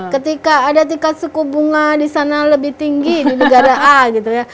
ketika ada tiket suku bunga disana lebih tinggi di negara a gitu ya